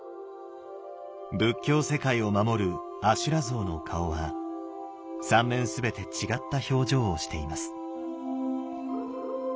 仏教世界を守る阿修羅像の顔は三面全て違った表情をしています。